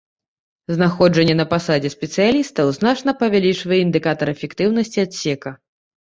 Знаходжанне на пасадзе спецыялістаў значна павялічвае індыкатар эфектыўнасці адсека.